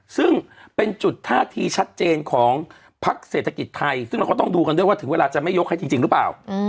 ซึ่งเป็นจุดท่าทีชัดเจนของพักเศรษฐกิจไทยซึ่งเราก็ต้องดูกันด้วยว่าถึงเวลาจะไม่ยกให้จริงหรือเปล่า